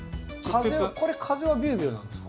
これ風はビュービューなんですか？